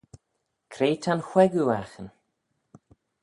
Cre ta'n wheiggoo aghin?